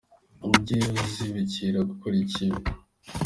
Ujye uzibukira gukora ikibi.